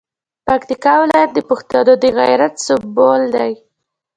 پکتیکا ولایت د پښتنو د غیرت سمبول دی.